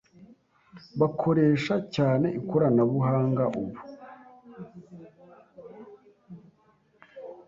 bakoresha cyane ikoranabuhanga ubu